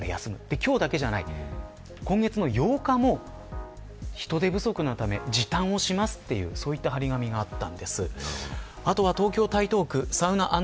今日だけではなく、今月の８日も人手不足のため時短をしますという貼り紙がありました。